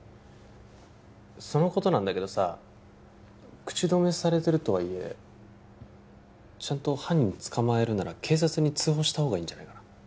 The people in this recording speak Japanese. そのことなんだけどさ口止めされてるとはいえちゃんと犯人捕まえるなら警察に通報したほうがいいんじゃないかな